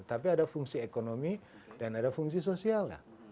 tapi ada fungsi ekonomi dan ada fungsi sosial